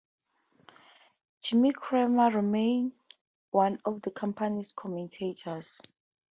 Jim Cramer remains one of the company's commentators.